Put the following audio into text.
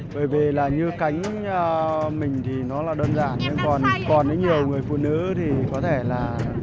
bởi vì là như cánh mình thì nó là đơn giản nhưng còn còn nhiều người phụ nữ thì có thể là